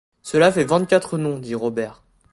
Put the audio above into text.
Cela fait vingt-quatre noms, dit Robert.